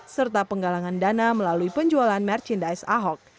serta penggalangan dana melalui penjualan merchandise ahok